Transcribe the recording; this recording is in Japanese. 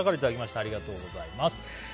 ありがとうございます。